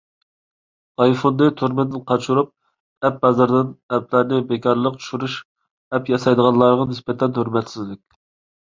ئايفوننى تۈرمىدىن قاچۇرۇپ ئەپ بازىرىدىن ئەپلەرنى بىكارلىق چۈشۈرۈش، ئەپ ياسايدىغانلارغا نىسبەتەن ھۆرمەتسىزلىك.